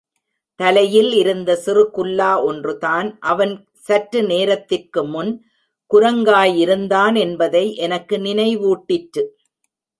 தலையில் இருந்த சிறுகுல்லா ஒன்றுதான் அவன் சற்று நேரத்திற்கு முன் குரங்காயிருந்தான் என்பதை எனக்கு நினைவூட்டிற்று.